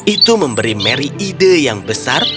itu memberi mary ide yang besar